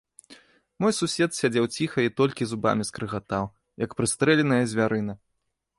Мой сусед сядзеў ціха і толькі зубамі скрыгатаў, як прыстрэленая звярына.